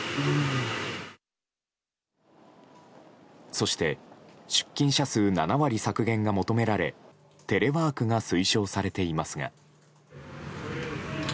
そして出勤者数７割削減が求められテレワークが推奨されていますが。